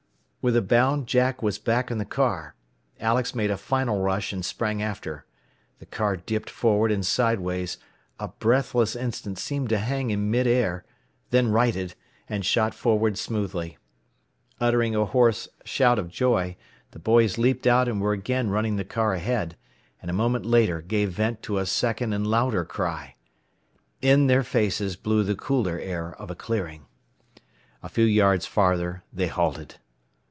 _" With a bound Jack was back in the car. Alex made a final rush, and sprang after. The car dipped forward and sideways, a breathless instant seemed to hang in mid air, then righted, and shot forward smoothly. Uttering a hoarse shout of joy, the boys leaped out, and were again running the car ahead, and a moment later gave vent to a second and louder cry. In their faces blew the cooler air of a clearing. A few yards farther they halted.